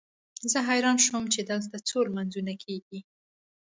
زه حیران شوم چې دلته څو لمونځونه کېږي.